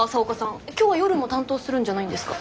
今日は夜も担当するんじゃないんですか？